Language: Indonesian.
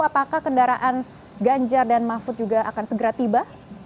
apakah kendaraan ganjar dan mahfud juga akan segera tiba